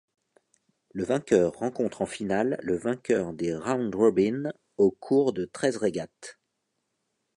Le vainqueur rencontre en finale le vainqueur des round-robin au cours de treize régates.